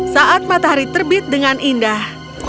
saat matahari terbit dengan indah